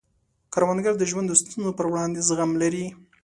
کروندګر د ژوند د ستونزو پر وړاندې زغم لري